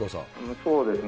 そうですね。